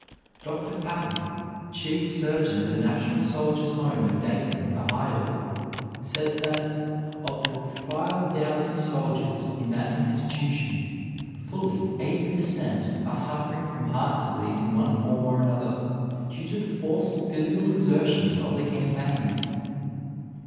Dr. Patten, chief surgeon at the National Soldiers' Home at Dayton, Ohio, says that "of the five thousand soldiers in that institution fully eighty per cent. are suffering from heart disease in one form or another, due to the forced physical exertions of the campaigns."